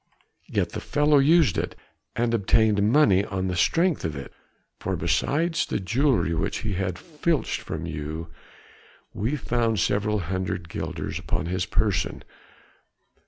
Yet the fellow used it, he obtained money on the strength of it, for beside the jewelry which he had filched from you, we found several hundred guilders upon his person.